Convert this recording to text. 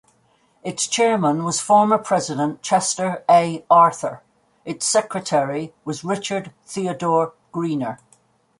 Its chairman was former President Chester A. Arthur; its secretary was Richard Theodore Greener.